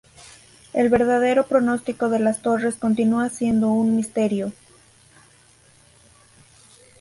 El verdadero propósito de las torres continúa siendo un misterio.